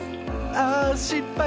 あしっぱい。